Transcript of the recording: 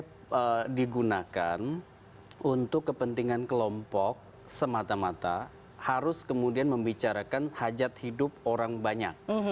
jadi itu digunakan untuk kepentingan kelompok semata mata harus kemudian membicarakan hajat hidup orang banyak